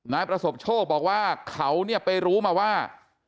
นายประสบโชคบอกว่าเขาเนี่ยไปรู้มาว่า